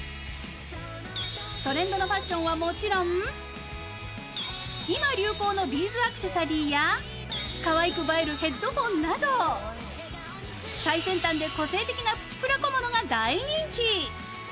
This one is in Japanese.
トレンドのファッションはもちろん今、流行のビーズアクセサリーやかわいく映えるヘッドホンなど最先端で個性的なプチプラ小物が大人気。